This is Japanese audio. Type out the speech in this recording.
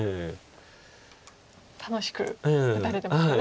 楽しく打たれてますかね。